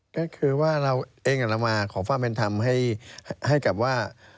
ก็คือว่าเราเองเรามาขอความเป็นธรรมให้กับว่า